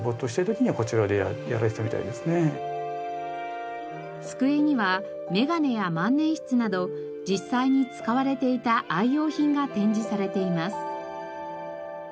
やはり机には眼鏡や万年筆など実際に使われていた愛用品が展示されています。